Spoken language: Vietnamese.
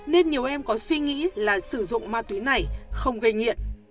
nên nhiều em có suy nghĩ là sử dụng ma túy này không gây nghiện